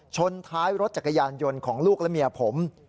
ชนท้ายรถจักรยานยนต์ของลูกและเมียผม